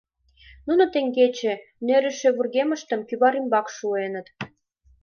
Нуно теҥгече нӧрышӧ вургемыштым кӱвар ӱмбак шуэныт.